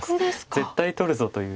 絶対取るぞという。